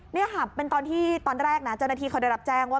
นี่ค่ะเป็นตอนที่ตอนแรกนะเจ้าหน้าที่เขาได้รับแจ้งว่า